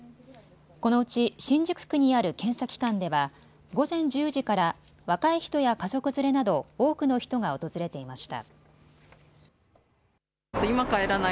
このうち新宿区にある検査機関では午前１０時から若い人や家族連れなど多くの人が訪れていました。